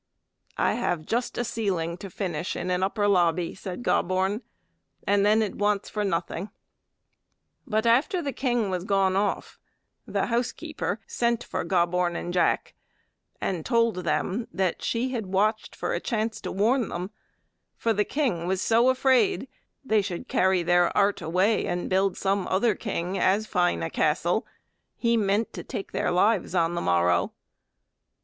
"I have just a ceiling to finish in an upper lobby," said Gobborn, "and then it wants nothing." But after the king was gone off, the housekeeper sent for Gobborn and Jack, and told them that she had watched for a chance to warn them, for the king was so afraid they should carry their art away and build some other king as fine a castle, he meant to take their lives on the morrow.